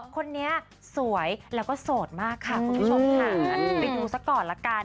คนนี้สวยแล้วก็โสดมากค่ะคุณผู้ชมค่ะไปดูซะก่อนละกัน